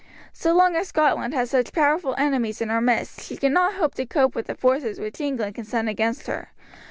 So long as Scotland has such powerful enemies in her midst she cannot hope to cope with the forces which England can send against her.